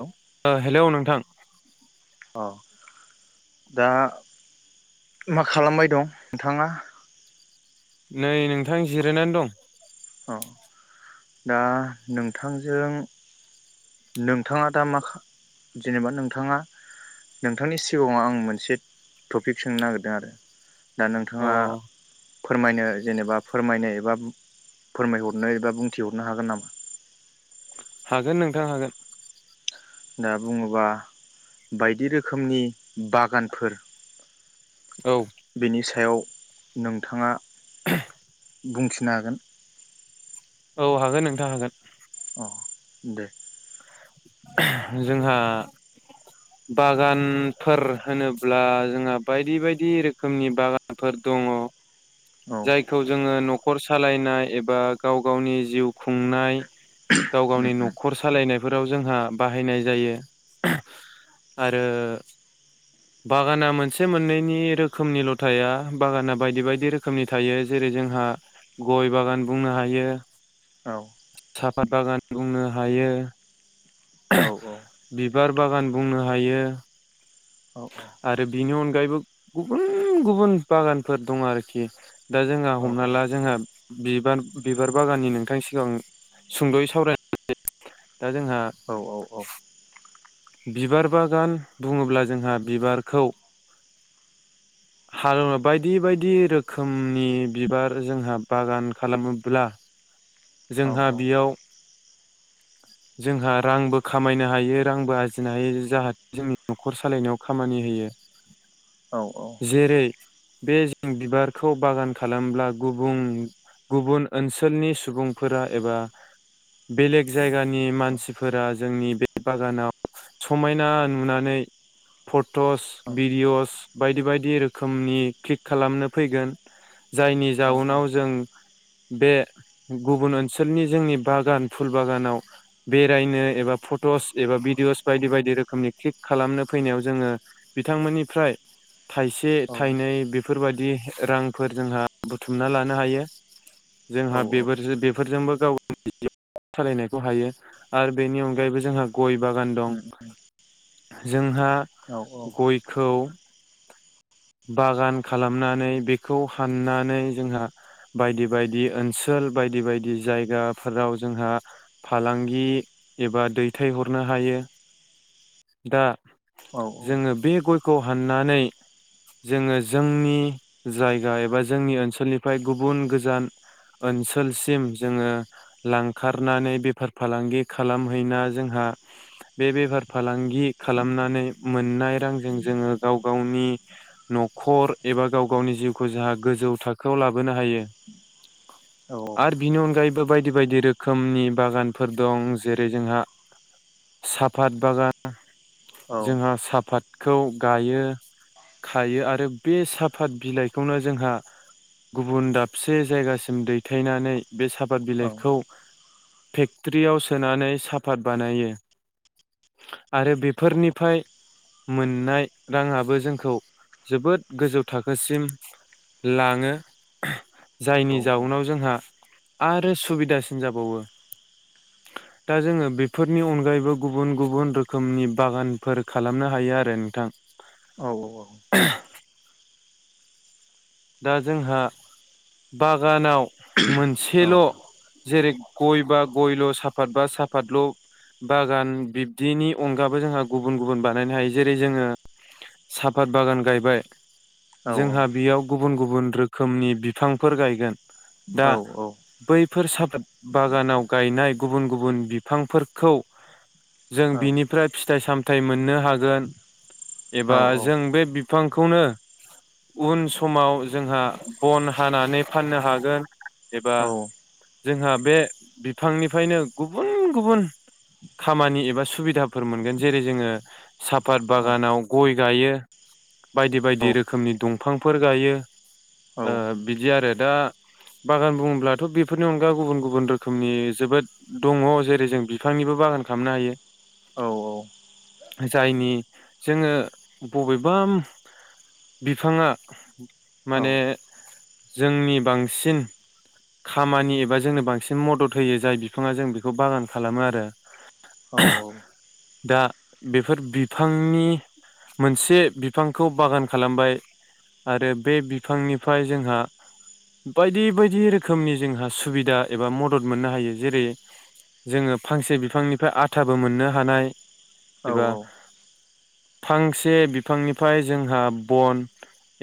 औ हेलौ नोंथां अ दा मा खालामबाय दं नोंथाङा नै नोंथां जिरायनानै दं अ दा नोंथांजों नोंथाङा दा मा जेनेबा नोंथाङा नोंथांनि सिगाङाव आं मोनसे टपिक सोंनो नागिरदों आरो दा अ नोंथाङा फोरमायनो जेनेबा फोरमायनो एबा फोरमायहरनो एबा बुंथिहरनो हागोन नामा हागोन नोंथां हागोन दा बुङोबा बायदि रोखोमनि बागानफोर औ बेनि सायाव नोंथाङा बुंथिनो हागोन औ हागोन नोंथां हागोन अ दे जोंहा बागानफोर होनोब्ला जोंहा बायदि बायदि रोखोमनि बागानफोर दङ औ जायखौ जोङो नखर सालायनाय एबा गाव गावनि जिउ खुंनाय गाव उम गावनि उम नखर सालायनायफोराव जोंहा बाहायनाय जायो आरो बागाना मोनसे मोननैनिरोखोमनिल थाया बागाना बायदि बायदि रोखो रोखोमनि थायो जेरै जोंहा गय बागान बुंनो हायो औ साफत बागान बुंनो हायो औ बिबार बागान बुंनो हायो औ आरो बिनि अनगायैबो गुबुन गुबुन बागानफोर दङ आरोखि दा जोंहा औ हमना ला जोंहा बिबार बिबार बागाननि नोंथांनि सिगां सुंद'यै सावरायनानै दा जोंहा औ बिबार बागान बुङोब्ला जोंहा बिबारखौ हालेव बायदि बायदि रोखोमनि बिबार जोंहा बागान खालामोब्ला औ जोंहा औ बेयाव जोंहा रांबो खामायनो हायो रांबो आरजिनो हायो जाहाथे जोंनि न'खर सालायनायाव खामानि होयो औ औ जेरै बे जों बिबारखौ बागान खालामब्ला गुबुन गुबुन ओनसोलनि सुबुंफोरा एबा बेलेग जायगानि मानसिफोरा जोंनि बे बागानाव समायना नुनानै फट'स भिडिअस बायदि बायदि रोखोमनि क्लिक खालामनो फैगोन जायनि जाउनाव जों बे गुबुन ओनसोलनि जोंनि बागान फुल बागानाव बेरायनो एबा फटस एबा भिडिअ'स बायदि बायदि रोखोमनि क्लिक खालामनो फैनायाव जोङो बिथांमोननिफ्राय थाइसे थाइनै बे बेफोरबायदि रांफोर जोंहा बुथुमना लानो हायो जोंहा बेफोर बे फोरजोंबो गाव गाव मि [inaudible] सालायनायखौ हायो आरो बेनि अनगायैबो जोंहा गय बागान दं जों जोंहा गयखौ बागान खालामनानै बेखौ हाननानै जोंहा बायदि बायदि ओनसोल बायदि बायदि जायगाफोराव जोंहा फालांगि एबा दैथायहरनो हायो दा जोङो बे गय खौ हाननानै जोङो जोंनि जायगा एबा जोंनि ओनसोलनिफ्राय गुबुन गोजान ओनसोलसिम जोङो लांखारनानै बेफार फालांगि खालामहैना जोंहा बे बेफार फालांगि खालामनानै मोननाय रांजों जोङो गाव गावनि नखर एबा गाव गावनि जिउखौ जोंहा गोजौ थाखोआव लाबोनो हायो आरो बिनि अनगायै बायदि बायदि बायदि रोखोमनि बागानफोर दं जेरै जोंहा साफत बागान जोंहा साफात खौ गायो खायो आरो बे साफात बिलाइखौनो जोंहा गुबुन दाबसे जायगासिम दैथायनानै बे साफाद बिलाइखौ खौ फेक्ट्रियाव सोनानै साफात बानायो आरो बेफोरनिफ्राय मोननाय राङाबो जोंखौ जोबोद गोजौ थाखोसिम लाङो जायनि जाउनाव जोंहा आरो सुबिदासिन जाबावो दा जोङो बेफोरनि अनगायैबो गुबुन गुबुन रोखोमनि बागानफोर खालामनो हायो आरो नोंथां औ औ औ दा जोंहा बागानाव मोनसेल जेरै गय बा गयल साफाद बा साफादल बागान बिब्दिनि अनगाबो जोंहा गुबुन गुबुन बानायनो हायो जेरै जोङो साफत बागान गायबाय जोंहा बेयाव गुबुन गुबुन रोखोमनि बिफांफोर गायगोन औ औ बेफोर स बागानाव गायनाय गुबुन गुबुन बिफांफोरखौ जों बिनिफ्राय फिथाइ सामथायाइ मोननो हागोन एबा जों औ बे बिफांखौनो उन समाव जोंहा बन हानानै फाननो हागोन एबा औ जोंहा बे बिफांनिफ्रायनो गुबुन गुबुन खामानि एबा सुबिदाफोर मोनगोन जेरै जोङो सापत बागानाव गय गायो बायदि बायदि रोखोमनि दंफां फोर गायो बिदि आरो दा बागान बुङोब्लाथ' बेफोरनि अनगा गुबुन गुबुन रोखोमनि जोबोद दङ जेरै जों बिफांनिबो बागान खालामनो हायो जायनि जोङो बबेबा बिफाङा [unintelligible] माने जोंनि बांसिन खामानि एबा जोंनो बांसिन मदद होयो जाय बिफाङा जों बेखौ बागान खालामो आरो औ औ दा बेफोर बिफांनि मोनसे बिफांखौ बागान खालामबाय आरो बे बिफांनिफ्राय जोंहा बायदि बायदि रोखोमनि जोंहा सुबिदा एबा मदद मोननो हायो जेरै जोङो फांसे बिफांनिफ्राय आथाबो मोननो हानाय एबा फांसे बिफांनिफ्राय जोंहा बन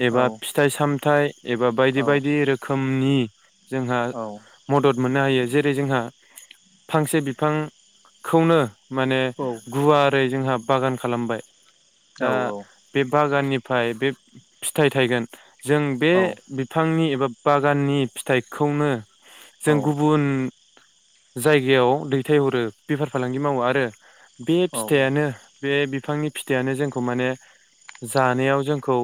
एबा फिथाइ सामथाइ एबा बायदि बायदि रोखोमनि जोंहा मदद मोननो हायो जेरै जोंहा फांसे बिफांखौनो माने गुवारै जोंहा बागान खालामबाय दा बे बागाननि ओमफ्राय बे फिथाइ थायगोन जों बे बिफांनि एबा बागाननि फिथाइखौनो जों गुबुन जायगायाव दैथायहरो बेफार फालांगि मावो आरो बे फिथाइयानो बे बि बिफांनि फिथाइयानो जोंखौ माने जानायाव जोंखौ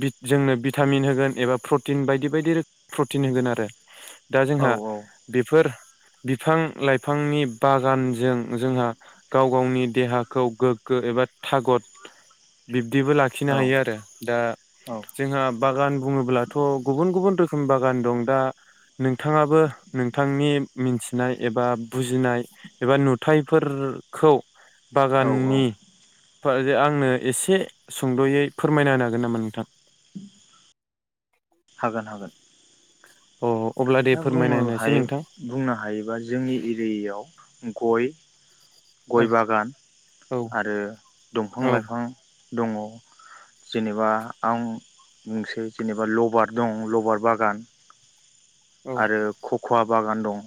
बित जोंनो भिटामिन होगोन एबा प्रटिन बायदि बायदि रोख प्रटिन होगोन आरो। दा जोंहा बेफोर बिफां लाइफांनि बागानजों जोंहा गाव गावनि देहाखौ गोग्गो एबा थागद बिब बिबदिबो लाखिनो हायो आरो दा जोंहा बागान बुङोब्लाथ' गुबुन गुबुन रोखोम बागान दं दा नोंथाङाबो नोंथांनि मिन्थिनाय एबा बुजिनाय एबा नुथायफोरखौ बागाननि फा यो आंनो एसे सुंद'यै फोरमायना होनो हागोन नामा नोंथां? [inaudible] हागोन हागोन। [inaudible] अब्ला दे दा फोरमायना बुंङो होनोसै हायो नोंथां बुंनो हायोबा जोंनि एरियायाव गय गय औ बागान औ आरो दंफां औ लाइफां दङ जेनेबा आं मोनसेै जेनेबा लबार दं लबार बागान। औ आरो खख'वा बागान दं।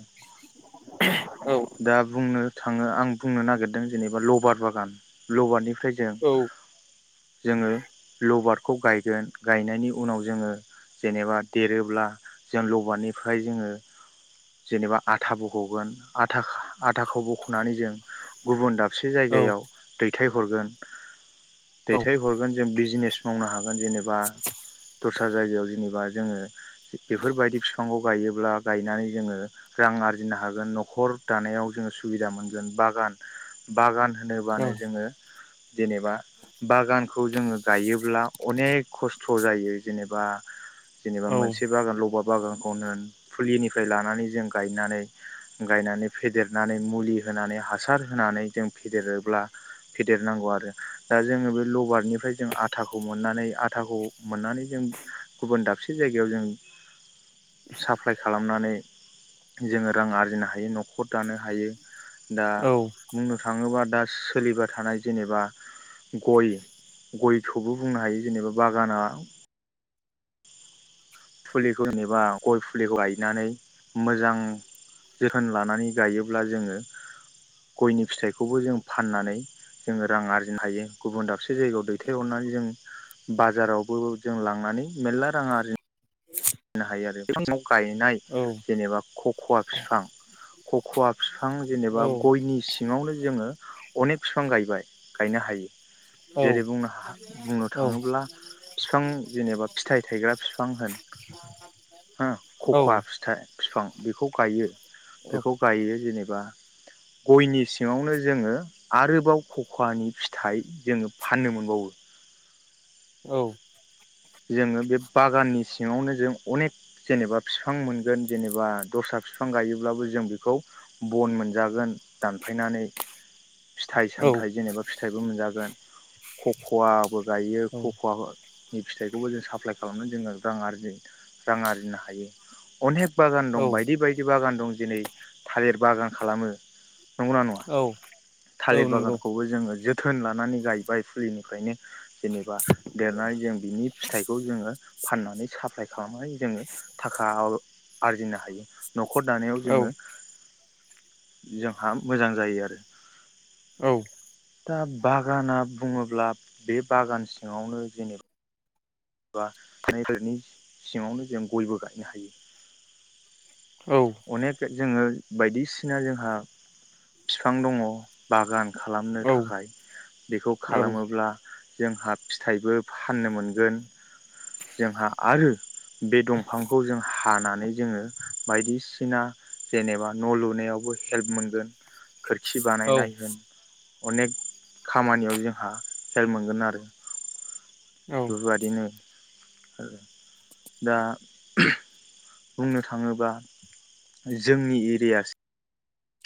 औ दा बुंनो थाङो आं बुंनो नागिरदों जेनेबा लबार बागान लबारनि फ्राय जों औ जोङो लबार खौ गायगोन गायनायनि उनाव जोङो जेनेबा देरोब्ला जों लबारनिफ्राय जोङो जेनेबा आथा बख'गोन। आथाख आथाखौ बख'नानै जों गुबुन दाबसे औ जायगायाव दैथाय हरगोन औ दैथाय हरगोन जों बिजिनेस मावनो हा जेनेबा दस्रा जायगायाव जेनेबा जोङो बेफोरबायदि बिफांखौ- गायोब्ला गायनानै जोङो रां आरजिनो हागोन न दानायाव जोङो सुबिदा मोनगोन बागान बागान औ होनोबानो जोङो जेनेबा बागानखौ जोङो गायोब्ला अनेक खस्थ' जायो जेनेबा जेनेबा औ मोनसे बागानलबा बागानखौनो फुलिनिफ्राय लानानै जों गायनानै गायनानै फेदेरनानै मुलि होनानै हासार होनानै जों फेदेरोब्ला फेदेरनांगौ आरो दा जोङो बे लबारनिफ्राय जों आथाखौ मोननानै आथाखौ मोननानै जों गुबुन दाबसे जायगायाव जों साप्लाय खालामनानै जोङो रां आर बुजिनो हायो न'खर दानो हायो। दा औ बुंनो थाङोबा दा सोलिबाय थानाय जेनेबा गय गयखौबो बुंनो हायो जेनेबा बागाना [inaudible] फुलिखौ नेबा गय फुलिखौ गायनानै मोजां जोथोन लानानै गायोब्ला जोङो गयनि फिथाइखौबो जों फाननानै जोङो रां आरजिनो हायो गुबुन दाबसे जायगायाव दैथायहरनानै जों बाजारावबो जों लांनानै मेर्ला रां आरजि ना हायो आरो बिफां साव। गायनाय जेनेबा खख'वा फिफां खख'वा बिफां जेनेबा गयनि सिङावनो जोङो अनेक बिफां गायबाय गायनो हायो। औ जेरै बुंनो हा बुंनो थाङोब्ला बिफां जेनेबा फिथाइ थायग्रा बिफां होन हो खख'वा फिथाइ। फिफां बिखौ गायो। बेखौ गायो जेनेब बा गयनि सिङावनो जोङो आरोबाव खख'वानि फिथाइ जोङो फाननो मोनबावो। औ। जोङो बे बागाननि सिङावनो जों अनेक जेनेबा बिफां मोनगोन जेनेबा दस्रा बिफां गायोब्लाबो जों बिखौ बन मोनजागोन। फिथाइ सामथाइ जेनेबा फिथाइबो मोनजागोन। खख'आबो। गायो खख'वा [unintelligible] फिथाइखौबो जों साप्लाय खालामना जोङो रां आरजि रां आरजिनो हायो अनेक बागान औ दं बायदि बायदि बागान दं दिनै थालिर बागान खालामो। नंगौना नङा औ थालिर औ नंगौ बागानखौबो जोङो जोब थोन लानानै गायबाय फुलिनिफ्रायनो। जेनेबा देरनानै जों बिनि फिथाइखौ जोङो फाननानै साप्लाइ खालामनानै जोङो थाखा खौ आरजिनो हायो। न'खर दानायाव औ जोङो जोंहा मोजां जायो आरो औ दा बागाना बुङोब्ला बे बागान सिङावनो जेनेबा एबा [unintelligible] नि सिङावनो जों गयबो गायनो औ हायो अनेक जोङो बायदिसिना जोंहा बिफां दङ बागान खालामनो औ थाखाय बेखौ औ खालामोब्ला जोंहा फिथाइबो फाननो मोनगोन जोंहा आरो बे दंफांखौ जों हानानै जोङो बायदिसिना जेनेबा न' लुनायावबो हेल्प मोनगोन खोरखि औ बानायनाय होन अनेक खामानियाव जोंहा हेल्प मोनगोन आरो बेफोरबायदिनो दा बुंनो थाङोबा जोंनि एरिया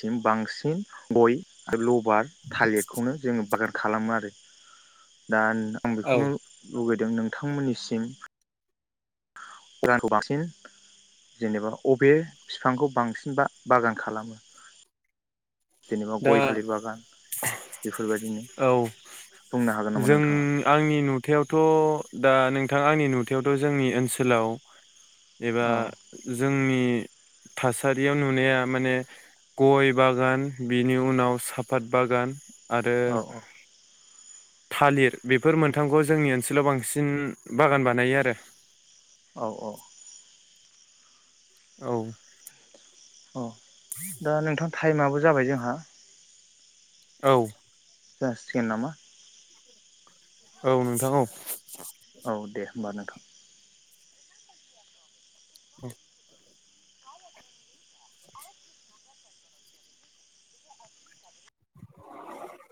सिम बांसिन गयखौल' आबाद थालिरखौनो जोङो बागान खालामो आरो दा आं औ बेखौनो लुबैदों नोंथांमोननिसिम उरांखौ [inaudible] बांसिन जेनेबा बबे बिफांखौ बांसिन बा-बागान खालामो जेनेबा दा गय थालिर बागान बेफोरबायदिनो औ बुंनो हागोन नामा जों नोंथाङा आंनि नुथायावथ' दा नोंथां आंनि नुथायावथ' जोंनि ओनसोलाव एबा औ जोंनि थासारियाव नुनाया माने गयबागान बिनि उनाव साफात बागान आरो औ थालिर बेफोर मोनथामखौ जोंनि ओनसोलाव बांसिन बागान बानायो आरो औ औ औ अ दा नोंथां टाइमाबबो जाबाय जोंहा औ जासिगोन नामा औ नोंथां औ औ दे होमबा नोंथां औ